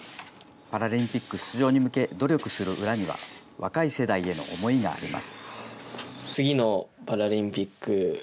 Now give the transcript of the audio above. パラリンピック出場に向け努力する裏には、若い世代への思いがあります。